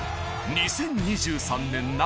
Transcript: ２０２３年夏。